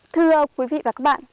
thưa quý vị và các bạn